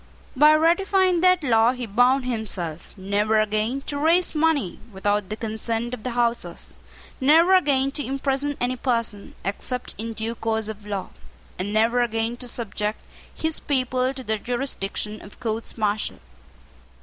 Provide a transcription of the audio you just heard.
By ratifying that law he bound himself never again to raise money without the consent of the Houses, never again to imprison any person, except in due course of law, and never again to subject his people to the jurisdiction of courts martial.